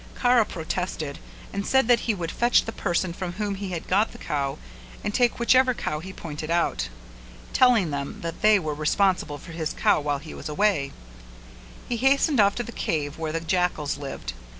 Kara protested and said that he would fetch the person from whom he had got the cow and take whichever cow he pointed out. Telling them that they were responsible for his cow while he was away, he hastened off to the cave where the jackals lived.